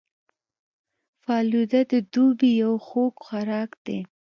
فالوده د دوبي یو خوږ خوراک دی